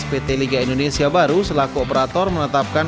pt liga indonesia baru selaku operator menetapkan